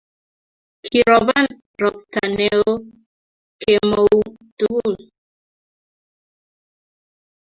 Kiroban robta neoo kemout tugul